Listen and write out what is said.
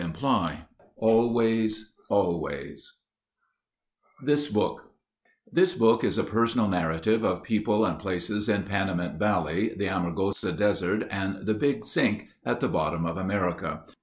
Ghost Town 175 Index 189 THIS BOOK This book is a personal narrative of people and places in Panamint Valley, the Amargosa Desert, and the Big Sink at the bottom of America.